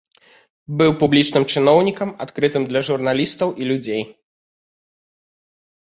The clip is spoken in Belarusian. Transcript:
Быў публічным чыноўнікам, адкрытым для журналістаў і людзей.